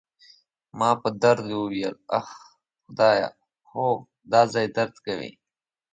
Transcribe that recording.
ما په درد وویل: اخ، خدایه، هو، دا ځای درد کوي.